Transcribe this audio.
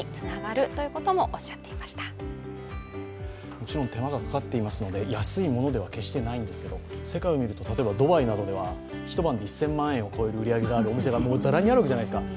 もちろん手間がかかっていますので、安いものでは決してないんですけれども、世界をみると、例えばドバイなどでは一晩で１０００万円を超える売り上げがあるお店が、ざらにあるじゃないですか。